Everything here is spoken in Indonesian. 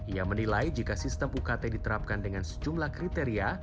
ia menilai jika sistem ukt diterapkan dengan sejumlah kriteria